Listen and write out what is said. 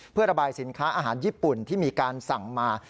เพื่อระบายสินค้าอาหารญี่ปุ่นที่มีการสั่งมา